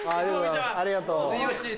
ありがとう。